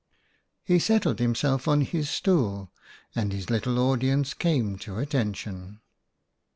He settled himself on his stool, and his little audience came to attention.